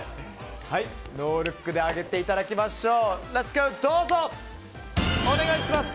ノールックで上げていただきましょう。